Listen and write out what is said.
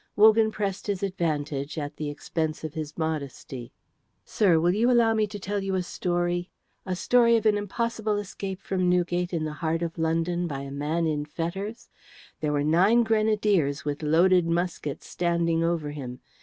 Wogan pressed his advantage at the expense of his modesty. "Sir, will you allow me to tell you a story, a story of an impossible escape from Newgate in the heart of London by a man in fetters? There were nine grenadiers with loaded muskets standing over him.